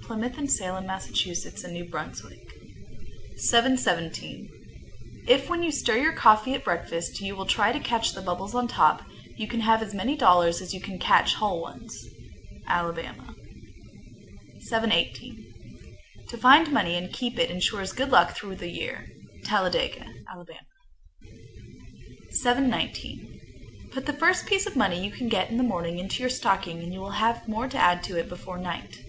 Plymouth and Salem, Mass., and New Brunswick. 717. If when you stir your coffee at breakfast you will try to catch the bubbles on top, you can have as many dollars as you can catch whole ones. Alabama. 718. To find money and keep it insures good luck through the year. Talladega, Ala. 719. Put the first piece of money you get in the morning into your stocking, and you will have more to add to it before night.